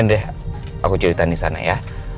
ndre aku ceritain di sana ya